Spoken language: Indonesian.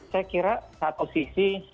saya kira satu sisi